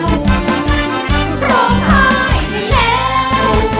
ร้องหายได้แล้ว